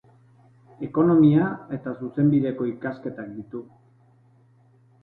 Ekonomia eta Zuzenbideko ikasketak ditu.